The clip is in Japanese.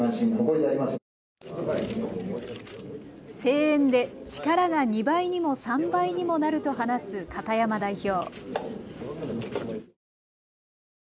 声援で力が２倍にも３倍にもなると話す片山代表。